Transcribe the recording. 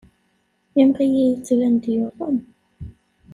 Imɣi-a yettban-d yuḍen.